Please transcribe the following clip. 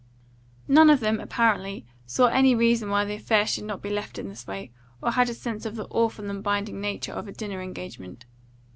None of them, apparently, saw any reason why the affair should not be left in this way, or had a sense of the awful and binding nature of a dinner engagement.